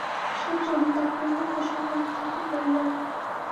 সুচরিতা পূর্বপ্রসঙ্গ উত্থাপন করিল না।